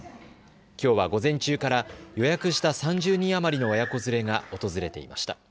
きょうは午前中から予約した３０人余りの親子連れが訪れていました。